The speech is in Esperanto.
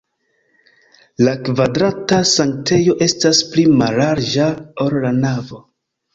La kvadrata sanktejo estas pli mallarĝa, ol la navo.